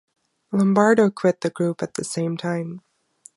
Lombardo quit the group at the same time.